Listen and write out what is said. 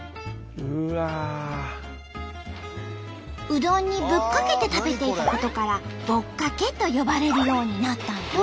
うどんにぶっかけて食べていたことから「ぼっかけ」と呼ばれるようになったんと！